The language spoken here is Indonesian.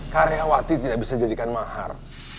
karyawati tidak bisa dijadikan mahar